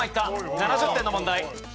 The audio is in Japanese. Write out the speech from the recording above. ７０点の問題。